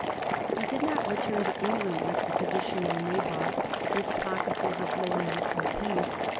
He did not return to England like the traditional Nabob, with pockets overflowing with rupees.